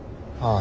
あ。